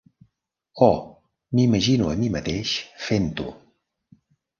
Oh, m'imagino a mi mateix fent-ho.